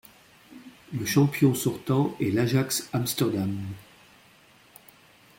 Le champion sortant est l'Ajax Amsterdam.